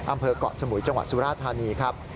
อำเภอกเกาะสมุยจังหวัดสุราธานีครับ